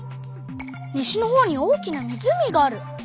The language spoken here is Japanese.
西のほうに大きな湖がある！